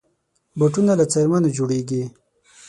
بوټونه له څرمنو جوړېږي.